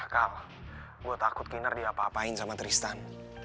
kal gue takut kinar dia apa apain sama tristan